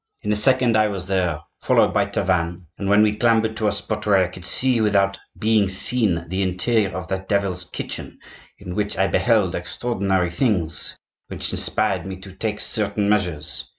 "In a second I was there, followed by Tavannes, and then we clambered to a spot where I could see without being seen the interior of that devil's kitchen, in which I beheld extraordinary things which inspired me to take certain measures.